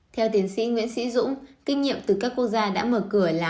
theo tiến sĩ nguyễn sĩ dũng kinh nghiệm từ các quốc gia đã mở cửa là